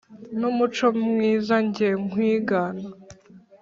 n’umuco mwiza njye nkwigana